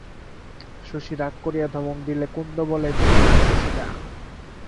শশী রাগ করিয়া ধমক দিলে কুন্দ বলে, চুপ করুন শশীদা।